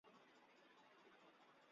嘉靖二十二年升任户部右侍郎。